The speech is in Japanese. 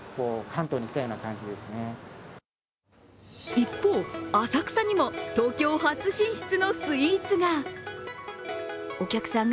一方、浅草にも東京初進出のスイーツが。